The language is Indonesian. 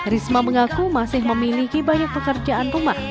risma mengaku masih memiliki banyak pekerjaan rumah